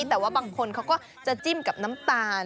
แต่ว่าบางคนเขาก็จะจิ้มกับน้ำตาล